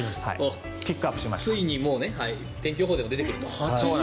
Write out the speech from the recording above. ついに天気予報でも出てくると。